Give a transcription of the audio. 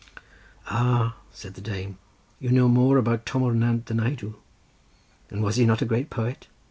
"Ah," said the Dame, "you know more about Twm o'r Nant than I do; and was he not a great poet?"